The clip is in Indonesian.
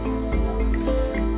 jadi kita harus menempatkan diri